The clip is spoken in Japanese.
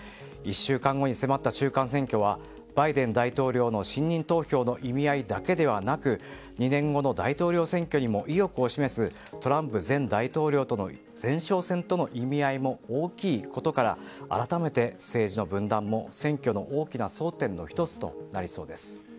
１週間後に迫った中間選挙はバイデン大統領の信任投票の意味合いだけではなく２年後の大統領選挙にも意欲を示すトランプ前大統領との前哨戦との意味合いも大きいことから改めて、政治の分断も選挙の大きな争点の１つとなりそうです。